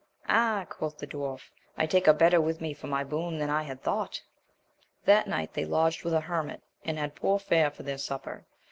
Ah, quoth the dwarf, I take a better with me for my boon than I had thought !; That night they lodged with a hermit, and had poor fare for their supper.